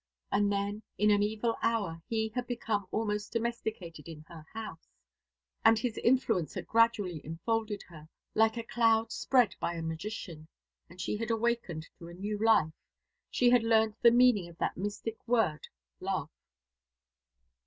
And then, in an evil hour, he had become almost domesticated in her house, and his influence had gradually enfolded her, like a cloud spread by a magician, and she had awakened to a new life. She had learnt the meaning of that mystic word love.